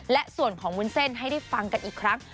และส่วนของวุ้นเส้นให้ได้ฟังกันอีกครั้ง